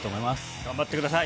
頑張ってください。